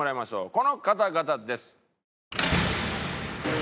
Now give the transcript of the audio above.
この方々です！